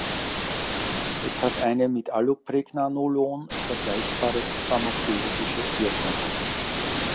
Es hat eine mit Allopregnanolon vergleichbare pharmakologische Wirkung.